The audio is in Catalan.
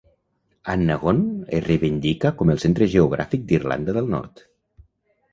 Annaghone es reivindica com el centre geogràfic d'Irlanda del Nord.